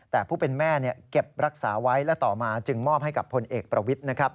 แต่ผู้เป็นแม่เก็บรักษาไว้และต่อมาจึงมอบให้กับพลเอกประวิทย์นะครับ